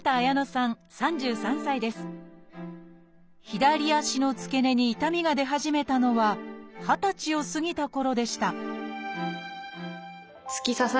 左足の付け根に痛みが出始めたのは二十歳を過ぎたころでした